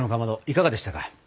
いかがでしたか？